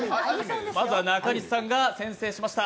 まずは中西さんが先制しました。